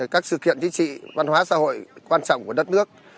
các sự kiện chính trị văn hóa xã hội quan trọng của đất nước